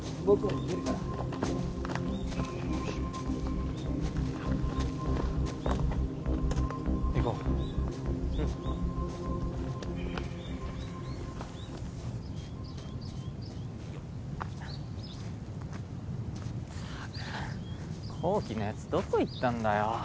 ったく紘希のやつどこ行ったんだよ？